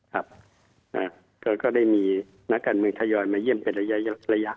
ก็ได้มีนักการเมืองทยอยมาเยี่ยมเป็นระยะ